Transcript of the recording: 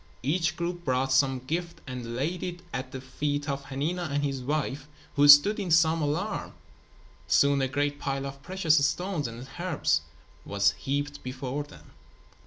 Each group brought some gift and laid it at the feet of Hanina and his wife who stood in some alarm. Soon a great pile of precious stones and herbs was heaped before them.